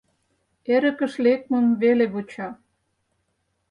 Эрыкыш лекмым веле вуча.